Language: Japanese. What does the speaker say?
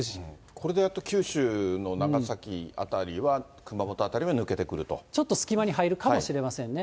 これでやっと九州の長崎辺りは、ちょっと隙間に入るかもしれませんね。